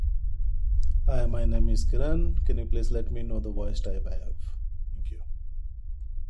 The Congress provided the means to heighten public opinion for European unity.